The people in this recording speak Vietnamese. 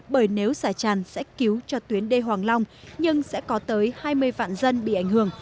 bởi nếu xả tràn sẽ cứu cho tuyến đê hoàng long nhưng sẽ có tới hai mươi vạn dân bị ảnh hưởng